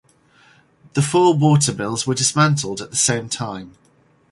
The four watermills were dismantled at the same time.